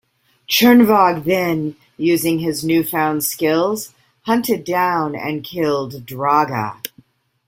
Chernevog then, using his new-found skills, hunted down and killed Draga.